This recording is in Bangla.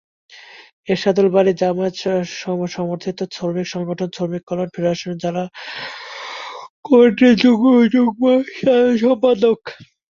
এরশাদুল বারী জামায়াত-সমর্থিত শ্রমিক সংগঠন শ্রমিক কল্যাণ ফেডারেশন জেলা কমিটির যুগ্ম সাধারণ সম্পাদক।